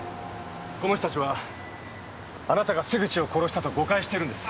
この人たちはあなたが瀬口を殺したと誤解してるんです。